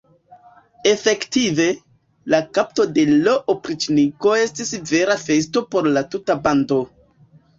Efektive, la kapto de l' opriĉniko estis vera festo por la tuta bando.